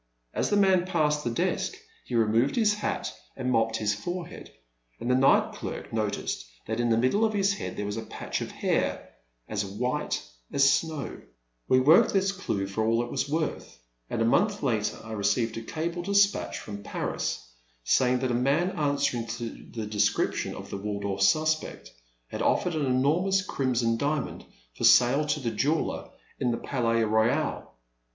As the man passed the desk, he removed his hat and mopped his forehead, and the night derk noticed that in the middle of his head there was a patch of hair, as white as snow. The Man at the Next Table. 35 1 We worked this clue for all it was worth, and, a month later, I received a cable dispatch from Paris, sa3dng that a man, answering to the description of the Waldorf suspect, had oflFered an enormous crimson diamond for sale to a jeweller in the Palais Royal.